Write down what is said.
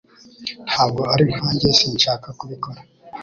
Ntabwo ari nkanjye sinshaka kubikora